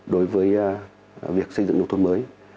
đối với việc xây dựng nông thôn mới